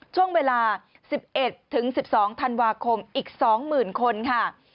ช่วงเวลา๑๑๑๑๒ธันวาคมอีก๒๐๐๐คนค่ะ